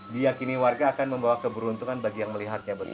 diyakini warga akan membawa keberuntungan bagi yang melihatnya betul